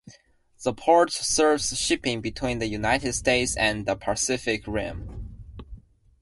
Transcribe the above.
The port serves shipping between the United States and the Pacific Rim.